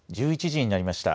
１１時になりました。